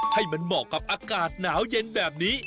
ให้มันเหมาะกับอากาศหนาวเย็นแบบนี้